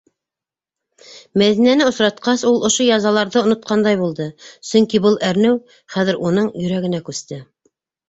Мәҙинәне осратҡас, ул ошо язаларҙы онотҡандай булды, сөнки был әрнеү хәҙер уның йөрәгенә күсте...